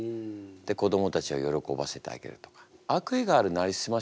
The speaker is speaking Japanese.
で子どもたちを喜ばせてあげるとか。